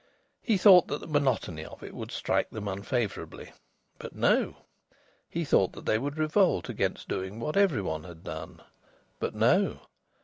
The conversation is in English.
He thought that the monotony of it would strike them unfavourably. But no! He thought that they would revolt against doing what every one had done. But no!